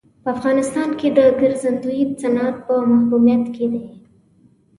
په افغانستان کې د ګرځندوی صنعت په محرومیت کې دی.